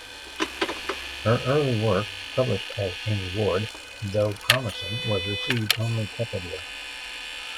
Her early work, published as Amy Ward, though promising, was received only tepidly.